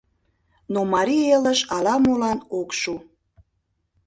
Но Марий Элыш ала-молан ок шу...